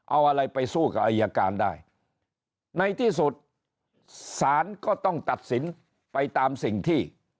เอาอะไรไปสู้กับอายการได้ในที่สุดสารก็ต้องตัดสินไปตามสิ่งที่